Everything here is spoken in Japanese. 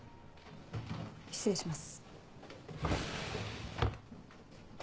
失礼します。